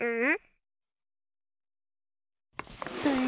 うん？